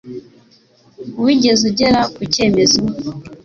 Wigeze ugera ku cyemezo?